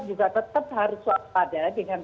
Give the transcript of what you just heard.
juga tetap harus swast pada dengan